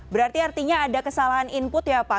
berarti artinya ada kesalahan input ya pak